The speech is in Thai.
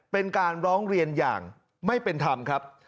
เป็นการร้องเรียนอย่างไม่เป็นธรรมครับ